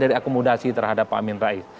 dari akomodasi terhadap pak amin rais